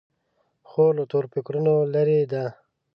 خور له تور فکرونو لیرې ده.